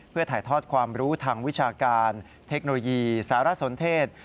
เพื่อถ่ายทอดความรู้ทางวิชาการเทคโนโลยีสารสนเทศ